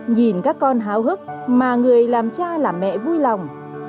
nhìn các con háo hức mà người làm cha là mẹ vui lòng